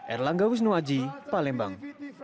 erlanggaus nuwaji palembang